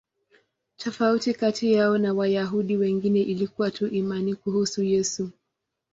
Tofauti kati yao na Wayahudi wengine ilikuwa tu imani kuhusu Yesu.